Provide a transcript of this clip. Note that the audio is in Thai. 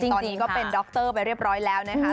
ตอนนี้ก็เป็นดรไปเรียบร้อยแล้วนะคะ